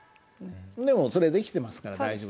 でもそれできてますから大丈夫です。